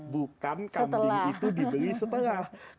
bukan kambing itu dibeli setelah